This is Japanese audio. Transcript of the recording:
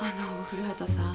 古畑さん。